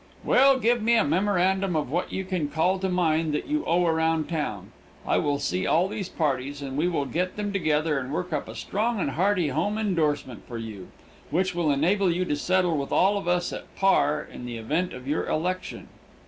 "Well, give me a memorandum of what you can call to mind that you owe around town. I will see all these parties and we will get them together and work up a strong and hearty home indorsement for you, which will enable you to settle with all of us at par in the event of your election."